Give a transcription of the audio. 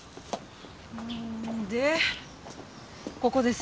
でここです。